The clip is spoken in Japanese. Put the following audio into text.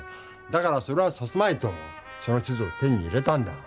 だからそれはさせまいとその地図を手に入れたんだ。